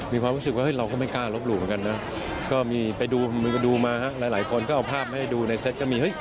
มีความรู้สึกว่าเราก็ไม่กล้าลบหลู่เหมือนกันนะก็มีไปดูมาหลายคนก็เอาภาพมาให้ดูในเซตก็มีเฮ้ย